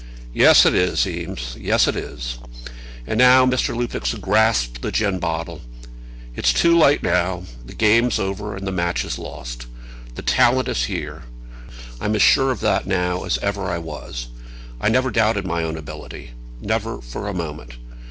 "Yes, it is, Eames, yes, it is." And now Mr. Lupex had grasped the gin bottle. "It's too late now. The game's over, and the match is lost. The talent is here. I'm as sure of that now as ever I was. I've never doubted my own ability, never for a moment.